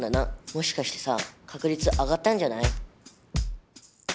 もしかしてさ確率上がったんじゃない？